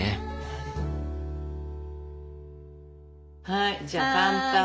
はいじゃあ乾杯。